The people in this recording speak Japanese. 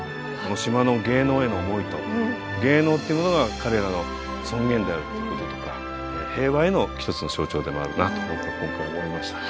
島の芸能への思いと芸能っていうものが彼らの尊厳であるってこととか平和への一つの象徴でもあるなと僕は今回思いました。